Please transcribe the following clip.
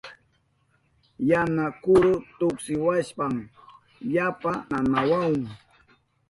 Yana kuru tuksiwashpan yapa nanawahun.